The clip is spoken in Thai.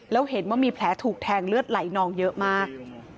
แล้วเห็นว่ามีแผลถูกแทงเลือดไหลนองเยอะมาก